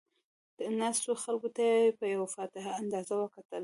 ناستو خلکو ته یې په یو فاتحانه انداز وکتل.